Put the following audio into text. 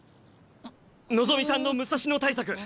望さんの武蔵野対策。